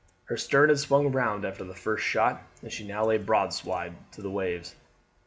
Her stern had swung round after the first shot, and she now lay broadside to the waves.